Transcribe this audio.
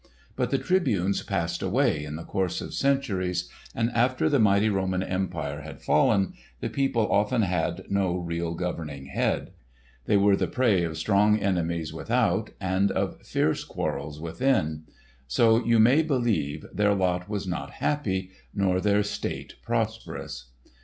But the Tribunes passed away, in the course of centuries, and after the mighty Roman Empire had fallen, the people often had no real governing head. They were the prey of strong enemies without, and of fierce quarrels within. So, you may believe, their lot was not happy, nor their state prosperous.